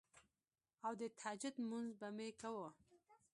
او د تهجد مونځ به مې کوو